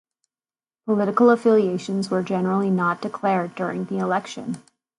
Political affiliations were generally not declared during the election.